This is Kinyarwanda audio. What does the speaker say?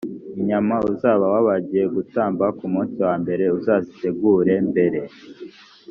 inyama uzaba wabagiye gutamba ku munsi wa mbere uzazitegure mbere